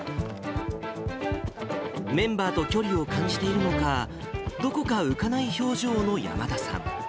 メンバーと距離を感じているのか、どこか浮かない表情の山田さん。